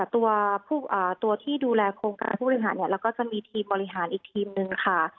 ตัวที่ดูแลโครงการผู้บริหารเราก็จะมีทีมบริหารอีกทีมนึงค่ะ